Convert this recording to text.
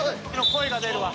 声が出るわ。